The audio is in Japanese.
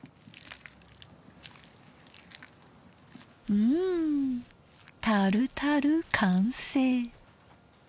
うんタルタル完成。